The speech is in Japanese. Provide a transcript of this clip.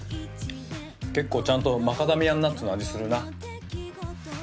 結構ちゃんとマカダミアナッツの味するな。